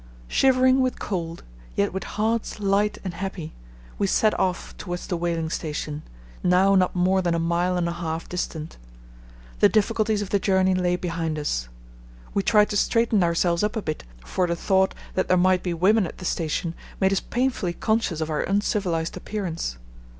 Shivering with cold, yet with hearts light and happy, we set off towards the whaling station, now not more than a mile and a half distant. The difficulties of the journey lay behind us. We tried to straighten ourselves up a bit, for the thought that there might be women at the station made us painfully conscious of our uncivilized appearance.